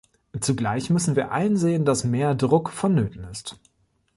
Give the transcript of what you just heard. Zugleich müssen wir einsehen, dass mehr Druck vonnöten ist.